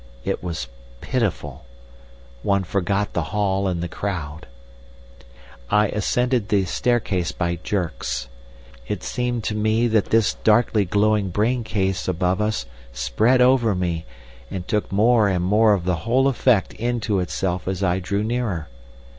It was pitiful. One forgot the hall and the crowd. "I ascended the staircase by jerks. It seemed to me that this darkly glowing brain case above us spread over me, and took more and more of the whole effect into itself as I drew nearer.